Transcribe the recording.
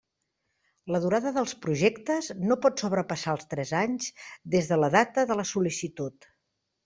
La durada dels projectes no pot sobrepassar els tres anys, des de la data de la sol·licitud.